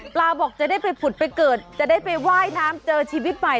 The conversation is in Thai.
บอกจะได้ไปผุดไปเกิดจะได้ไปว่ายน้ำเจอชีวิตใหม่